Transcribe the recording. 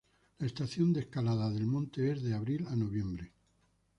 La estación de escalada del monte es de abril a noviembre.